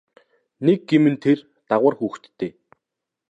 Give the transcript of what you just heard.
Нэг гэм нь тэр дагавар хүүхэдтэй.